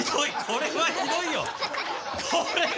これはひどいよ！